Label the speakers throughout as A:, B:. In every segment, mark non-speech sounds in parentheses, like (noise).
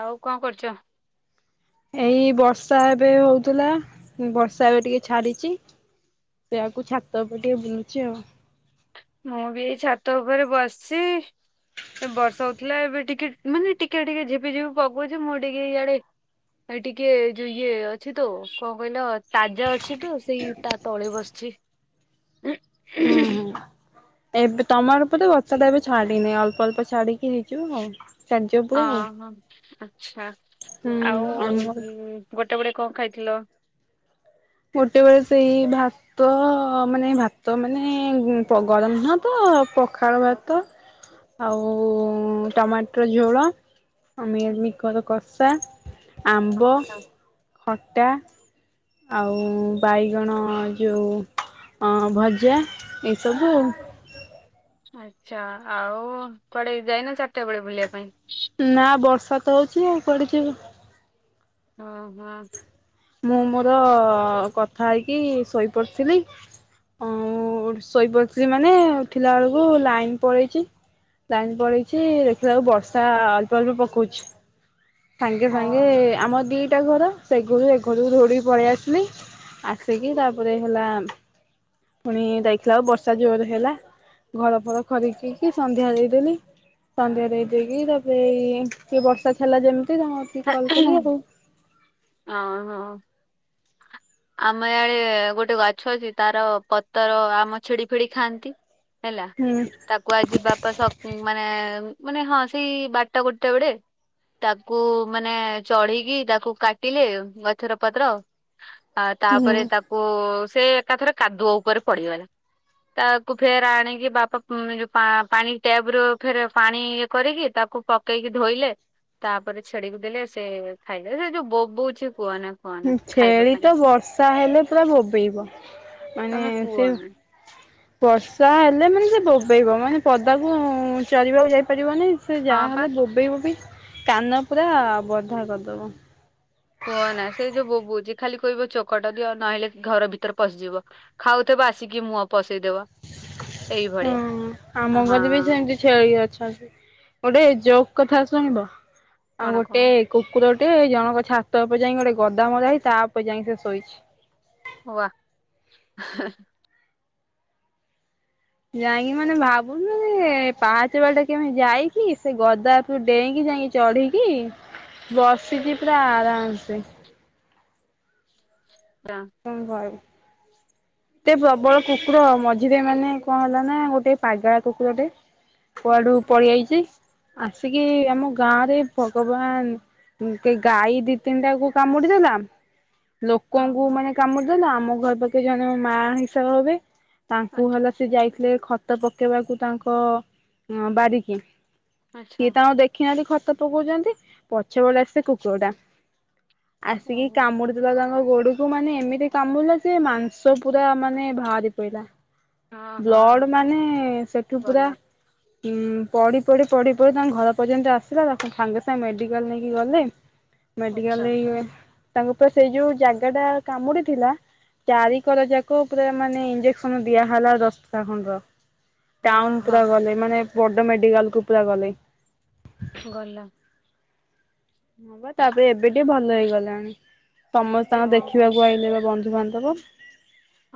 A: ଆଉ କଁ କରୁଚ?
B: ଏଇ ବର୍ଷା ଏବେ ହୋଉଥିଲା ବର୍ଷା ଏବେ ଟିକେ ଛାଡିଚି ସେୟାକୁ ଛାତ ଉପରେ ଟିକେ ବୁଲୁଚି ଆଉ।
A: ମୁଁ ବି ଏଇ ଛାତ ଉପରେ ବସିଚି। ଏ ବର୍ଷା ହୋଉଥିଲା ଏବେ ଟିକେ ମାନେ ଟିକେ ଟିକେ ଝିପିଝିପି ପକଉଛି ମୁଁ ଟିକେ ଇଆଡେ ଏ ଟିକେ ଯୋଉ ଇଏ ଅଛି ତ କଁ କହିଲ ତାଜା ଅଛି ତ ସେଇ ତା ତଳେ ବସିଚି।
B: ଉଁ ହୁଁ। ଏବେ ତମର ଉପ ତ ବର୍ଷାଟା ଏବେ ଛାଡିିନି ଅଳ୍ପ ଅଳ୍ପ ଛାଡିକି ହେଇଯିବ ଆଉ। ଛାଡିଯିବ ପୁରା ଆଉ
A: ଅହୋ ଆଚ୍ଛା ଆଉ
B: ହୁଁ ଆମର
A: ଗୋଟେ ବଳେ କଁ ଖାଇଥିଲ?
B: ଗୋଟେବେଳେ ସେଇ ଭା ତ-ଅ ମାନେ ଭାତ ମାନେ ପ ଗରମ ନୁହଁ ତ-ଅ ପଖାଳ ଭାତ ଆଉ-ଉ ଟମାଟର ଝୋଳ ଆ ମିଲମିକର କଷା, ଆମ୍ବ,
A: ଆଚ୍ଛା
B: ଖଟା ଆଉ-ଉ ବାଇଗଣ ଯୋଉ ଅଁ ଭଜା ଏସବୁ ଆଉ।
A: ଆଚ୍ଛା ଆଉ କୁଆଡେ ଯାଇନ ଚାରିଟା ବେଳେ ବୁଲିବା ପାଇଁ?
B: ନାଁ ବର୍ଷା ତ ହଉଚି ଆଉ କୁଆଡେ ଯିବି?
A: ହଁ ହଁ।
B: ମୁଁ ମୋର-ଅ କଥା ହେଇକି ଶୋଇପଡ଼ିଥିଲି। ଉଁ -ଉ ଶୋଇପଡ଼ିଥିଲି ମାନେ ଉଠିଲାଳକୁ ଲାଇନ ପଳେଇଚି ଲାଇନ୍ ପଳେଇଛି ଦେଖିଲାଳକୁ ବର୍ଷା ଅଳ୍ପ ଅଳ୍ପ ପକୋଉଛି। ସାଙ୍ଗେ ସାଙ୍ଗେ
A: ଓହୋ।
B: ଆମ ଦିଟା ଘର ସେଗୁରୁ ଏଗୁ ଘରୁକୁ ଧୋଉଡିକି ପଳେଇ ଆସିଲି ଆସିକି ତାପରେ ହେଲା ପୁଣି ଦେଖିଲାକୁ ବର୍ଷା ଜୋରରେ ହେଲା। ଘର ଫର ଖିରି କିି କି ସନ୍ଧ୍ୟା ଦେଇଦେଲି। ସନ୍ଧ୍ୟା ଦେଇ ଦେଇକି ତାପରେ ଏଇ ବର୍ଷା ଛାଡିଲା ଯେମିତି ତ
A: ହଁ ହଁ ଆମ ଇଆଡେ ଗୋଟେ ଗଛ ଅଛି ତାର ପତର ଆମ ଛେଡି ଫେଡି ଖାଆନ୍ତି। ହେଲା।
B: ହୁଁ
A: ତାକ୍ କୁହାଯିବା ପା ମାନେ ମାନେ ହଁ ସେଇ ବାରଟା ଗୋଟେ ବେଳେ। ତାକୁ ମାନେ ଚଢିକି ତାକୁ କାଟିଲେ ଗଛର ପତ୍ର ଆ ତାପରେ
B: ହୁଁ
A: ତାକୁ ସେ ଏକାଥର କାଦୁଅ ଉପରେ ପଡିଗଲା। ତାକୁ ଫେର ଆଣିକି ବାପାଉ ପାଣି ଟ୍ୟାବ ରୁ ଫେର ପାଣି ଇଏ କରିକି ତାକୁ ପକେଇକି ଧୋଇଲେ ତାପରେ ଛେଡିିକୁ ଦେଲେ ସେ ଖାଇଲେ ସେ ଯୋଉ ବୋବଉଛି କୁହନା। କୁହନା ଖାଇବା
B: ଛେଳି
A: ପାଇଁ
B: ତ ବର୍ଷା ହେଲେ ପୁରା ବୋବେଇବ ମାନେ
A: ତମେ
B: ସେ
A: କୁହନା।
B: ବର୍ଷା ହେଲେ ମାନେ ସେ ବୋବେଇବ ମାନେ ପଦାକୁ ଚରିବାକୁ ଯାଇପାରିବନି। ସେ
A: ହଁ ପା
B: ଯାହାହଲେ ବୋବେଇ ବବି କାନ ପୁରା ବଧା କରିଦବ।
A: କୁହ ନା ସେ ଯୋଉ ବୋବୋଉଛି ଖାଲି କହିବ ଚୋକଟ ଦିଅ ନହେଲେ କି ଘର ଭିତରେ ପଶିଯିବ। ଖାଉଥିବ ଆସିକି ମୁହଁ ପସେଇଦବ। ଏଇଭଳିଆ
B: ହଁ ଆମ
A: ହଁ
B: ଘର ବି ସେମିତି ଛେଳି ଅଛନ୍ତି। ଗୋଟେ ଜୋକ୍ କଥା ଶୁଣିବ ଆଉ
A: କଣ
B: ଗୋଟେ
A: କହୁନୁ?
B: କୁକୁର ଟେ ଜଣଙ୍କ ଛାତ ଉପରେ ଯାଇଙ୍କିି ଗୋଟେ ଗୋଦା ମଦା ହେଇଚି ତା ଉପରେ ଯାଇ ସେ ଶୋଇଛି।
A: ୱା
B: ଯାଇକି ମାନେ ଭାବୁନୁ ଯେ ପାହାଚ ବାଟେ କେମିତି ଯାଇକି ସେ ଗଦା ତୁ ଡେଇଁକି ଯାଇକି ଚଢ଼ିକି ବସିଛି ପୁରା ଆରାମସେ।
A: (inaudible)
B: ଙ୍କ କଇବୁ ଏତେ ପ୍ରବଳ କୁକୁର ମଝିରେ ମାନେ ଙ୍କ ହେଲା ନା ଗୋଟେ ପାଗେଳା କୁକୁରଟେ କୁଆଡୁ ପଳଆଇଛି ଆସିକି ଆମ ଗାଁ ରେ ଭଗବାନ କେ ଗାଈ ଦି ତିନିଟା କୁ କାମୁଡି ଦେଲା। ଲୋକୋଙ୍କୁ
A: ଓହୋ
B: ମାନେ କାମୁଡିଦେଲା ଆମ ଘର ପାଖେ ଜଣେ ମା ହିସାବରେ ହବେ ତାଙ୍କୁ
A: ଆଚ୍ଛା
B: ହେଲା ସେ ଯାଇଥିଲେ ଖତ ପକେଇବାକୁ ତାଙ୍କ ବାରିକି
A: ଆଚ୍ଛା
B: ଇଏ ତାଙ୍କୁ ଦେଖିନାହାନ୍ତି ଖତ ପକଉଛନ୍ତି ପଛ ପଟେ ଆସି ସେ କୁକୁର ଟା। ଆସିକି
A: ଓହୋ
B: କାମୁଡିୁଥିବା ତାଙ୍କ ଗୋଡକୁ ମାନେ ଏମିତି କାମୁଡ଼ିଲା ଯେ ମାଂସ ପୁରା ମାନେ ଭାରି ପଇଲା।
A: ହଁ
B: ବ୍ଲଡ଼
A: ହଁ।
B: ମାନେ ସେଠୁ ପୁରା
A: ଗଲା
B: ପଢ଼ି ପଢି ପଢ଼ି ପଢ଼ି ତାଙ୍କ ଘର ପର୍ଯ୍ୟନ୍ତ ଆସିଲା ତାକୁ ସାଙ୍ଗେ ସାଙ୍ଗେ ମେଡ଼ିକାଲ ନେଇକି ଗଲେ। ମେଡିକାଲ
A: ଆଚ୍ଛା
B: ନେଇ ତାଙ୍କ ପୁ ସେଇ ଯୋଉ ଜାଗା ଟା କାମୁଡିଥିଲା ଚାରିିକର ଯାକ ପୁରା ମାନେ ଇଞ୍ଜେକ୍ସନ ଦିଆହେଲା ଦଶଟା ଖଣ୍ଡ ର।
A: ହଁ
B: ଟାଉନ ପୁରା
A: ହଁ
B: ଗଲେ ମାନେ ବଡ ମେଡିକାଲ କୁ ପୁରା ଗଲେ।
A: ଗଲା
B: ହଁ ବା ତାପରେ ଏବେ ଟିକେ ଭଲ ହେଇଗଲାଣି। ସମସ୍ତେ ତାଙ୍କୁ
A: ହଁ
B: ଦେଖିବାକୁ
A: ହଁ।
B: ଆଇଲେ ବା ବନ୍ଧୁବାନ୍ଧବ।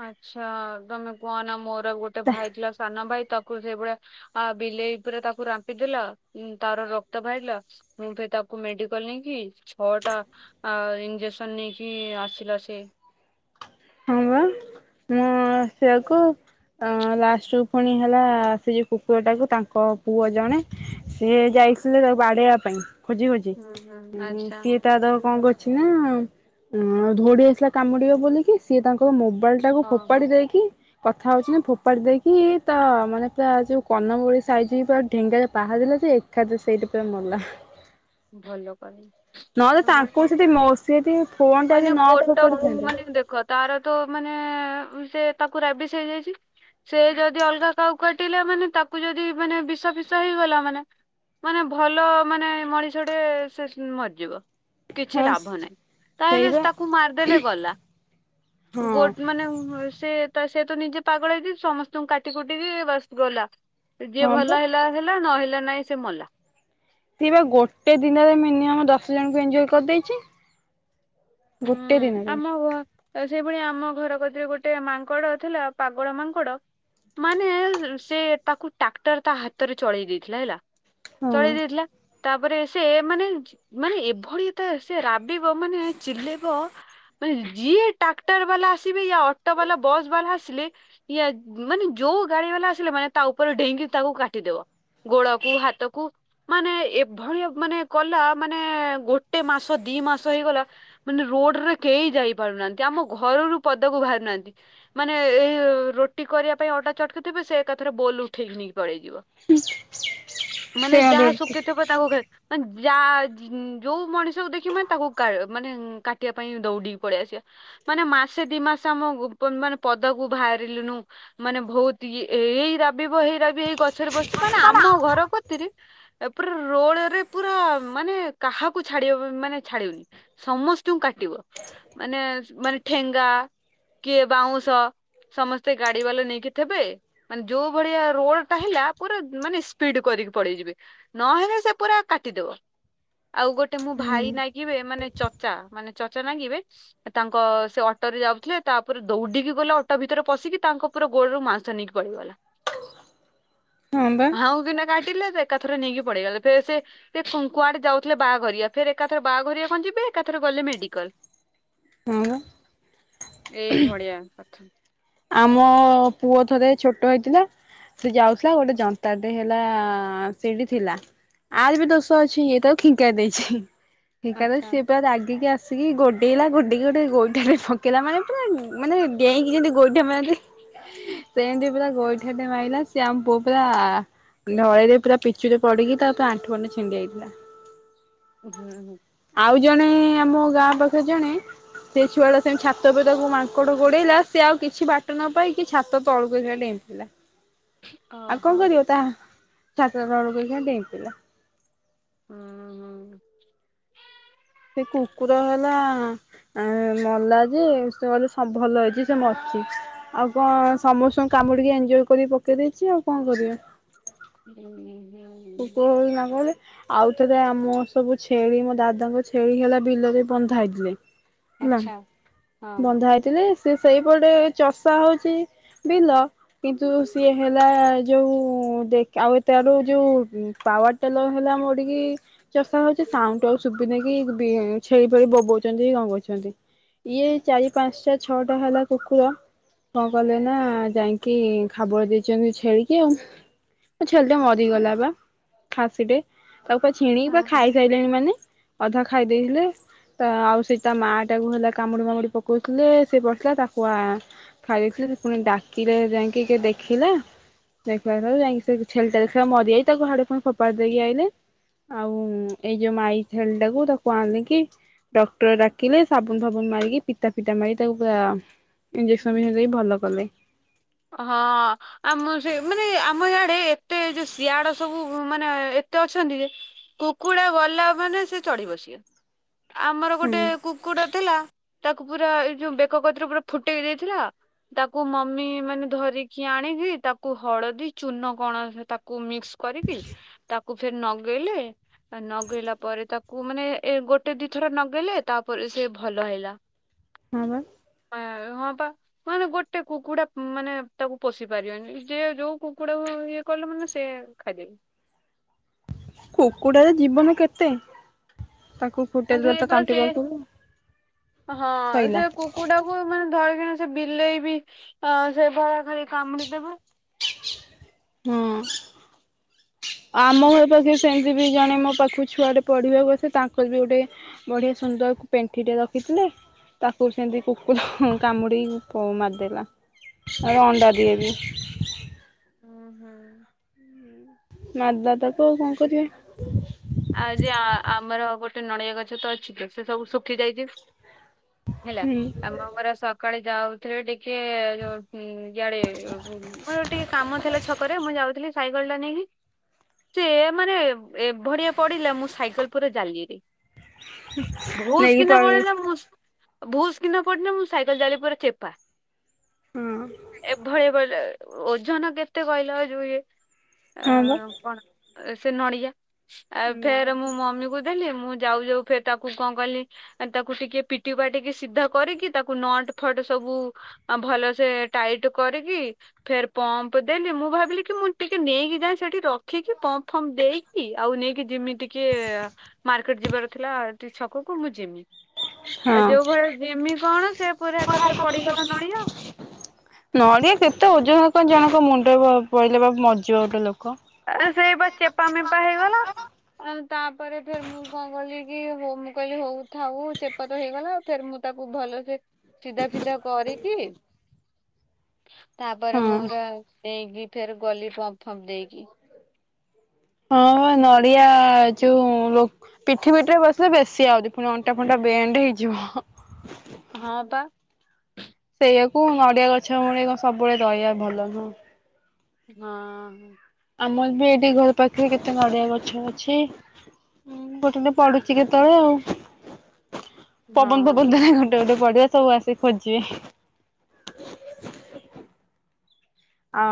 A: ଆଚ୍ଛା ତମେ କୁହ ନା ମୋର ଗୋଟେ ଭାଇ ଥିଲା ସାନ ଭାଇ ତ ତାକୁ ସେଇଭଳିଆ ଆ ବିଲେଇ ପୁରା ତାକୁ ରାମ୍ପିଦେଲା ଉ ତାର ରକ୍ତ ବାହାରିଲା। ମୁଁ ଫେର ତାକୁ ମେଡିକାଲ ନେଇକି ଛଅଟା ଆ ଇଞ୍ଜେକ୍ସନ ନେଇକି ଆସିଲା ସେ।
B: ହଁ ବା ମୁଁ ଆସିବାକୁ ଅଁ ଲାଷ୍ଟ ରୁ ପୁଣି ହେଲା ସେଇ ଯୋଉ କୁକୁରଟାକୁ ତାଙ୍କ ପୁଅ ଜଣେ ସିଏ ଯାଇଥିଲେ ତାକୁ ବାଡ଼େଇବା ପାଇଁ ଖୋଜି ଖୋଜି
A: ହୁଁ ହୁଁ
B: ଉଁ
A: ଆଚ୍ଛା
B: ସିଏ ତାର କଣ କରିଛି ନା ଧୋଉଡ଼ି ଆସିଲା କାମୁଡି଼ବ ବୋଲିକି ସିଏ ତାଙ୍କର ମୋବାଇଲ ଟାକୁ
A: ଓହୋ
B: ଫୋପାଡ଼ି ଦେଇକି। କଥା ହଉଛି ନା ଫୋପାଡ଼ି ଦେଇକି ତା ମାନେ ପୁରା ଯୋଉ କର୍ଣ୍ଣମୂଳି ସାଇଜିକି ପୁରା ଢେଙ୍ଗା ପାହାରେ ଦେଲେ ଯେ ଏ କାଥରେ ସେଇଠି ପୁରା ମଲା।
A: ଭଲ
B: ନହେଲେ
A: କଲେ।
B: ତାଙ୍କୁ ସେଠି ସେ ଯଦି
A: (inaudible)
B: ଫୋନ୍ଟା ଯଦି
A: ମନା
B: ନ
A: ଗୋଟ ଗୁଁ
B: ଫୋପାଡ଼ିଥାନ୍ତେ
A: ମାନେ ଦେଖ ତାର ତ ମାନେ ଉଁ ସେ ତାକୁ ରାବିସ୍ ହେଇଯାଇଛି ସେ ଯଦି ଅଲଗା କାହାକୁ କାଟିଲା ମାନେ ତାକୁ ଯଦି ମାନେ ବିଷ ଫିସ ହେଇଗଲା ମାନେ ମାନେ ଭଲ ମାନେ ମଣିଷଟେ ସେଶ୍ ମରିଯିବ। କିଛି
B: ହଁ
A: ଲାଭ ନାହିଁ
B: ସେଇ
A: ତାହେଲେ
B: ବା
A: ତାକୁ ମାରିଦେଲେ ଗଲା।
B: ହଁ
A: ଗୋଟ୍ ମାନେ ଉଁ ହୁଁ ସେ ତ ସେ ତ ନିଜେ ପାଗଳ ହେଇ ଯାଇଚି ସମସ୍ତଙ୍କୁ କାଟି କୁଟିକି ବାସ ଗଲା। ଯିଏ
B: ହଁ ବା
A: ଭଲ ହେଲା ହେଲା ନ ହେଲା ନାହିଁ ସେ ମଲା।
B: ସିଏ ପା ଗୋଟେ ଦିନରେ ମିନିମମ୍ ଦଶ ଜଣଙ୍କୁ ଏଞ୍ଜୋ (unintelligible) କରିଦେଇଛି। ଗୋଟେ
A: ହୁଁ
B: ଦିନରେ
A: ଆମ ଘ ତ ସେଇଭଳିଆ ଆମ ଘର କତିରେ ଗୋଟେ ମାଙ୍କଡ଼ ଥିଲା ପାଗଳ ମାଙ୍କଡ଼ ମାନେ ର୍ ସେ ତାକୁ ଟ୍ରାକ୍ଟର ତା ହାତରେ ଚଳେଇ ଦେଇଥିଲା ହେଲା
B: ହଁ
A: ଚଳେଇ ଦେଇଥିଲା। ତାପରେ ସେ ମାନେ ଜ୍ ମାନେ ଏଭଳିଆ ତା ସେ ରାବିବ ମାନେ ଚିଲେଇବ। ମାନେ ଯିଏ ଟ୍ରାକ୍ଟର ବାଲା ଆସିବେ ୟା ଅଟୋ ବାଲା ବସ୍ ବାଲା ଆସିଲେ ଇଏ ମାନେ ଯୋଉ ଗାଡ଼ି ବାଲା ଆସିଲେ ମାନେ ତା ଉପରେ ଡେଇଁଙ୍କି ତାକୁ କାଟିଦବ। ଗୋଡ଼କୁ ହାତକୁ। ମାନେ ଏଭଳିଆ ମାନେ କଲା ମାନେ ଗୋଟେ ମାସ ଦି ମାସ ହେଇଗଲା। ମାନେ ରୋଡରେ କେହି ଯାଇ ପାରୁନାହାନ୍ତି ଆମ ଘରରୁ ପଦାକୁ ବାହାରୁ ନାହାନ୍ତି। ମାନେ ଏଇ ରୋଟି କରିବା ପାଇଁ ଅଟା ଚଟକିଥିବେ ସେ ଏକାଥରେ ବୋଲ ଉଠେଇକି ନେଇକି ପଳେଇଯିବ। ମାନେ
B: ସେ
A: ଯାହା
B: ହୁଁ
A: ସୁଖିଥିବ ତାକୁ ଖା ମାନେ ଯା ଯୋଉ ମଣିଷକୁ ଦେଖିବ ମାନେ ତାକୁ କା ମାନେ କାଟିବା ପାଇଁ ଦୌଡିକି ପଳେଇ ଆସିବ। ମାନେ ମାସେ ଦି ମାସ ଆମ ଗୁ (unintelligible) ମାନେ ପଦାକୁ ବାହାରିଲୁନୁ। ମାନେ ବହୁତ ଇଏ ଏଇ ରାବିବ ହେଇ ରାବିବ ଏଇ ଗଛରେ ବସିଛି ମାନେ ଆମ ଘର କତିରେ ଏ ପୁରା ରୋଡରେ ପୁରା ମାନେ କାହାକୁ ଛାଡ଼ିବ ମାନେ ଛାଡ଼ିବନି। ସମସ୍ତଙ୍କୁ କାଟିବ ମାନେ ମାନେ ଠେଙ୍ଗା କିଏ ବାଉଁଶ ସମସ୍ତେ ଗାଡ଼ି ବାଲା ନେଇକି ଥିବେ ମାନେ ଯୋଉ ଭଳିଆ ରୋଡଟା ହେଲା ପୁରା ମାନେ ସ୍ପିଡ କରିକି ପଳେଇଯିବେ। ନହେଲେ ସେ ପୁରା କାଟିଦବ ଆଉ ଗୋଟେ ମୋ ଭାଇ ନାଗିବେ ମାନେ ଚଚା। ମାନେ ଚଚା ନାଗିବେ। ତାଙ୍କ ସେ ଅଟରେ ଯାଉଥିଲେ ତାପରେ ଦୌଡିକି ଗଲା ଅଟ ଭିତରେ ପଶିକି ତାଙ୍କ ପୁରା ଗୋଡ଼ରୁ ମାଂସ ନେଇକି ପଳେଇବ।
B: ହଁ ବା।
A: ଆଉ ଦିନେ କାଟିଲେ ସେ ଏକାଥରେ ନେଇକି ପଳେଇଗଲା ଫେର୍ ସେ ସେ ଙ୍କୁ କୁଆଡ଼େ ଯାଉଥିଲେ ବାହାଘରିଆ ଫେର ଏକାଥରେ ବାହାଘରିଆ କଣ ଯିବେ ଏକାଥରେ ଗଲେ ମେଡିକାଲ।
B: ହୁଁ ବା।
A: ଏଇ ଭଳିିଆ କଥା।
B: ଆମ ପୁଅ ଥରେ ଛୋଟ ହେଇଥିଲା। ସେ ଯାଉଥିଲା ଗୋଟେ ଜନ୍ତାଟେ ହେଲା ସେଇଠି ଥିଲା। ଆର୍ ବି ଦୋଷ ଅଛି ଇଏ ତାକୁ ଖିଙ୍କାରି ଦେଇଛି ଖିଙ୍କାରି ଦେଇଛି
A: ଆଚ୍ଛା
B: ସିଏ ପୁରା ରାଗିକି ଆସି। ଆସିକି ଗୋଡେଇଲା ଗୋଡେଇକି ଗୋଟେ ଗୋଇଠାଟେ ପକେଇଲା ମାନେ ପୁରା ମାନେ ଡେଇଁକି ଯମିତି। ଗୋଇଠା ମାରିଦେଇକି ସେମତି ପୁରା ଗୋଇଠା ଟେ ମାରିଲା ସେ ଆମ ପୁଅ ପୁରା। ଢଳେଇ ରେ ପୁରା ପିଚୁରେ ପଡିକି ତାର ପୁରା ଆଣ୍ଠୁ ଗଣ୍ଠି ଛିଣ୍ଡି ଯାଇଥିଲା।
A: ଉଁ ହୁଁ ହୁଁ।
B: ଆଉ ଜଣେ ଆମ ଗାଁ ପାଖରେ ଜଣେ। ସେ ଛୁଆ ଟା ସେମତି ଛାତ ଉପରେ ତାକୁ ମାଙ୍କଡ ଗୋଡେଇଲା। ସେ ଆଉ କିଛି ବାଟ ନ ପାଇକି ଛାତ ତଳକୁ ଏକାବେଳେ ଡେଇଁ ପିଇଲା ଆଉ କଣ
A: ଓହୋ
B: କରିବ ତା ଛାତ ତଳକୁ ଏକାଳେ ଡେଇଁ ପଡିଲା।
A: ହୁଁ ହୁଁ।
B: ସେଇ କୁକୁର ହେଲା। ଆ ମଲା ଯେ ସେ କହିଲେ ସବ୍ ଭଲ ହେଇଛି ସେ ମରିଛି। ଆଉ କଣ ସମସ୍ତଙ୍କୁ କାମୁଡିକି ଏନଜଡ କରିକି ପକେଇ ଦେଇଛି ଆଉ କଣ କରିବ।
A: ହୁଁ ହୁଁ।
B: କୁକୁର ବୋଲି ନ କହିଲେ। ଆଉଥରେ ଆମ ର ସବୁ ଛେଳି ମୋ ଦାଦାଙ୍କ ଛେଳି ହେଲା ବିଲରେ ବନ୍ଧା ହେଇଥିଲେ। ହେଲା
A: ଆଚ୍ଛା ହଁ।
B: ବନ୍ଧା ହେଇଥିଲେ ସେ ସେଇ ପଟେ ଚଷା ହଉଛି। ବିଲ କିନ୍ତୁ ସିଏ ହେଲା ଏ ଯୋଉ ଦେଖ ଆଉ ଏ ତେ ବାଟ କୁ ଯୋଉ। ଉଁ ପାୱାର ଟେଲର ହେଲା ମୋଡିକି। ଚଷା ହଉଛି ସାଉଣ୍ଡୁ ଆଉ ସୁବିନି କି ଛେଳି ଫେଳି ବୋବଉଛନ୍ତି କି କଣ କରୁଛନ୍ତି। ଇଏ ଚାରି ପାଞ୍ଚଟା ଛଅଟା ହେଲା କୁକୁର। କଁ କଲେ ନା ଯାଇକି ଖାବଡି ଦେଇଛନ୍ତି ଛେଳିକି ଆଉ। ସେ ଛେଳି ଟା ମରିଗଲା ବା। ଖାସି ଟେ ତାକୁ ପୁରା ଛିଣ କୀ
A: ହଁ
B: ପୁରା
A: ହଁ।
B: ଖାଇ ସାଇଲେଣି ମାନେ ଅଧା ଖାଇ ଦେଇଥିଲେ। ତ ଆଉ ସେଇ ତା ମା ଟାକୁ ହେଲା କାମୁଡି ଫାମୁଡି ପକଉଥିଲେ ସେ ପଡିଥିଲା ତାକୁ ଆ ଖାଇ ଦେଇଥିଲେ ସେ ପୁଣି ଡାକିଲେ ଯାଇକି କିଏ ଦେଖିଲା। ଦେଖିଲା ଠାରୁ ଯାଇକି ସେ ଛେଳି ଟା ଦେଖିଲା ବେଳକୁ ମରିଯାଇଛି ତାକୁ ହାଡେ ଫୁଣି ଫୋପାଡି ଦେଇକି ଆଇଲେ। ଆଉ ଏଇ ଯୋଉ ମାଇ ଛେଳି ଟାକୁ ତାକୁ ଆଣିକି। ଡକ୍ଟର ଡାକିଲେ ସାବୁନ ଫାବୁନ ମାରିକି ପିତା ଫିତା ମାରିକି ତାକୁ ପୁରା। ଇଞଜେକ୍ସନ ଫିନଯେକସନ ଦେଇକି ଭଲ କଲେ।
A: ହଁ। ଆମ ସେ ମାନେ ଆମ ଇଆଡେ ଏତେ ଯୋଉ ସିଆଡେ ସବୁ ମାନେ ଏତେ ଅଛନ୍ତି ଯେ। କୁକୁଡା ଗଲା ମାନେ ସେ ଚଢି ବସିବେ ଆମର ଗୋଟେ
B: ହୁଁ
A: କୁ କୁକୁଡ଼ା ଥିଲା ତାକୁ ପୁରା ଏଇ ଯୋଉ ବେକ କତିରେ ପୁରା ଫୁଟେଇକି ଦେଇଥିଲା ତାକୁ ମମି। ମାନେ ଧରିକି ଆଣିକି ତାକୁ ହଳଦୀ ଚୁନ କଣ ସେ ତାକୁ ମିକ୍ସ କରିକି ତାକୁ ଫେରେ ନଗେଇଲେ। ଆ ନଗେଇଲା ପରେ ତାକୁ ମାନେ ଏ ଗୋଟେ ଦିଥର ନଗେଇଲେ ତାପରେ ସେ ଭଲ ହେଲା।
B: ହଁ ବା।
A: ଏଁ ହଁ ବା ମାନେ ଗୋଟେ କୁକୁଡ଼ା। ମାନେ ତାକୁ ପୋଷି ପାରିବନି ଯିଏ ଯୋଉ କୁକୁଡାକୁ ଇଏ କଲେ ମାନେ ସିଏ ଖାଇଦେବେ।
B: କୁକୁଡାର ଜୀବନ କେତେ ତାକୁ।
A: ଆଉ
B: ଫୁଟେଇି ଦେଲ ତ
A: ସେଇପା ସେ
B: ତଣ୍ଟି ପାଖରୁ ସଇିଲା।
A: ମୁଁ ମାନେ ଧରିକିନା ସେ ବିଲେଇ ବି ଅ ସେ ବା ସେ କାମୁଡ଼ି ଦେବେ।
B: ହଁ
A: ହଁ
B: ଆମ
A: ପା।
B: ଘର ପାଖେ ସେମିତି ବି ଜଣେ ମୋ ପାଖକୁ ଛୁଆଟେ ପଢ଼ିବାକୁ ଆସେ ତାଙ୍କର ବି ଗୋଟେ ବଢିଆ ସୁନ୍ଦର ପେଣ୍ଠି ଟେ ରଖିଥିଲେ ତାକୁ ସେମିତି କୁକୁର କାମୁଡି ମାରିଦେଲା। ଆ ଅଣ୍ଡା ଦିଏ ବି।
A: ହୁଁ ହୁଁ।
B: ମାରିଦେଲା ତାକୁ ଆଉ କଣ କରିଆ।
A: ଆଉ ଯେ ଆମର ଗୋଟେ ନଡ଼ିଆ ଗଛ ତ ଅଛି ଯେ ସେ ସବୁ ଶୁଖି ଯାଇଛି। ହେଲା
B: ହୁଁ।
A: ଆମ ଆମର ସକାଳେ ଯାଉଥିଲେ ଟିକେ ଯୋଉ ଇଆଡେ ମୋର ଟିକେ କାମ ଥିଲା ଛକରେ ମୁଁ ଯାଉଥିଲି ସାଇକଲ ଟା ନେଇନି ସେ ମାନେ ଏଭିଆ ପଡିଲା ମୁଁ ସାଇକେଲ ପୁରା ଜାଲିରେ ଭୋସ୍
B: ନେଇକି
A: କିିନା
B: ପଳେଇ
A: ପଡିଲା ମୁଁ ଭୁସ୍ କିନା ପଡିଲା ମୋ ସାଇକେଲ ଜାଲି ପୁରା ଚେପା
B: ହଁ
A: ଏଭଳି ପଡ଼ିଲା ଓଜନ କେତେ କହିଲ ଯୋଉ ଏ ଆ
B: ହଁ ବା
A: କଣ ସେ ନଡିଆ? ଆଉ ଫେରେ ମୁଁ ମମି କୁ ଦେଲି ମୁଁ ଯାଉ ଯାଉ ଫେରେ ତାକୁ କଣ କଲି ତାକୁ ଟିକେ ପିଟି ପାଟିକି ସିଧା କରିକି ତାକୁ ନଟ୍ ଫଟ୍ ସବୁ ଆ ଭଲସେ ଟାଇଟ୍ କରିକି ଫେରେ ପମ୍ପ ଦେଲି ମୁଁ ଭାବିଲି କି ମୁଁ ଟିକେ ନେଇକି ଯାଏ ସେଠି ର ଖିକି ପମ୍ପ ଫମ୍ ଦେଇକି ଆଉ ନେଇକି ଯିମି ଟିକେ ମାର୍କେଟ ଯିବାର ଥିଲା ଟିକେ ଛକକୁ ମୁଁ ଯିମି। ଆଉ
B: ହଁ।
A: ଯୋଉ ଭଳିଆ ଜିମି କଣ ସେ ପୁରା ଏକାଥରେ ପଡି ଗଲା ନଳିଆ।
B: ନଡିଆ କେତେ ଓଜନ କଣ ଜଣକ ମୁଣ୍ଡ ପଡିଲେ ବା ମରିଜିବ ଗୋଟେ ଲୋକ।
A: ଆ ସେଇ ବା ଚେପା ମେପା ହେଇଗଲା ତାପରେ ଫେରେ ମୁଁ ମୁଁ କଣ କିଲିକି ହଉ ମୁଁ କହିଲି ହଉ ଥାଉ ଚେପା ତ ହେଇଗଲା ଫେରେ ମୁଁ ତାକୁ ଭଲସେ ସିଧା ଫିଧା କରିକି ତାପରେ
B: ହଁ
A: ମୋର ଦେଇକି ଫେରେ ଗଲି ପମ୍ପ ଫମ୍ପ ଦେଇକି।
B: ହଁ ନଡ଼ିଆ ଯୋଉ ଲୋକ୍ ପିଠି ପିଠି ରେ ବସିଲେ ବେଶୀ ଆଉରି ପୁଣି ଅଣ୍ଟା ଫଣ୍ଟା ବେଣ୍ଡେ ହେଇଯିବ।
A: ହଁ ପା।
B: ସେଇଆକୁ ନଡିଆ ଗଛ ମୂଳେ ବା ସବୁବେଳେ ରହିଆ ଭଲ ନୁହଁ।
A: ହଁ।
B: ଆମର ବି ଏଇଠି ଘର ପାଖରେ କେତେ ନଡିଆ ଗଛ ଅଛି। ହଁ ଗୋଟେ ଗୋଟେ ପଡୁଛି କେତେବେଳେ ଆଉ ପବନ ଫବନ
A: ହଁ।
B: ଦେଲେ ଗୋଟେ ଗୋଟେ ପଡିବ ସବୁ ଆସିିକ ଖୋଜିବେ। ଆ